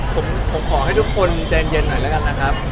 ผมขอให้ทุกคนใจเย็นหน่อยแล้วกันนะครับ